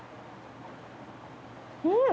うん。